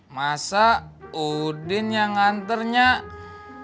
masa udin yang anter nyak